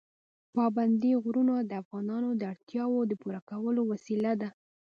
پابندی غرونه د افغانانو د اړتیاوو د پوره کولو وسیله ده.